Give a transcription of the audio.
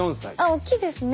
大きいですね。